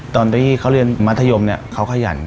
ตอนที่เขาเรียนมัธยมเนี่ยเขาขยัน